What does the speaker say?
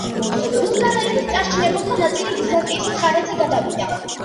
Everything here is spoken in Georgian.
ბულგარელების წარჩინებულთა ნაწილი ბიზანტიის მხარეზე გადავიდა.